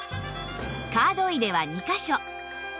カード入れは２カ所